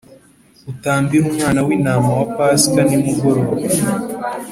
utambira umwana w intama wa Pasika nimugoroba